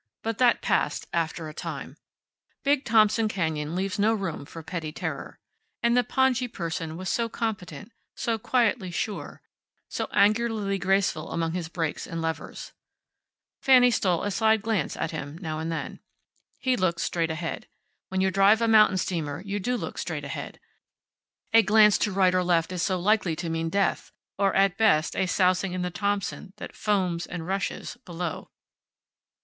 But that passed after a time. Big Thompson canyon leaves no room for petty terror. And the pongee person was so competent, so quietly sure, so angularly graceful among his brakes and levers. Fanny stole a side glance at him now and then. He looked straight ahead. When you drive a mountain steamer you do look straight ahead. A glance to the right or left is so likely to mean death, or at best a sousing in the Thompson that foams and rushes below.